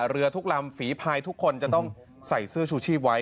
เรือทุกลำฝีพายทุกคนจะต้องใส่เสื้อชูชีพไว้